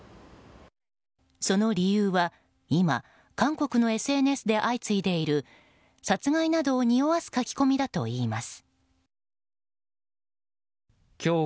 その理由は、今韓国のＳＮＳで相次いでいる殺害などをにおわす書き込みだといいます。